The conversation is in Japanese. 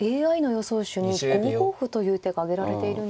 手に５五歩という手が挙げられているんですが。